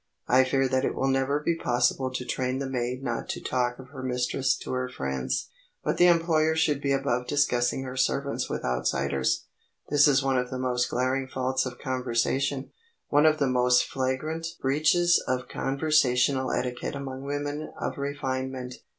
I fear that it will never be possible to train the maid not to talk of her mistress to her friends. But the employer should be above discussing her servants with outsiders. This is one of the most glaring faults of conversation,—one of the most flagrant breaches of conversational etiquette among women of refinement.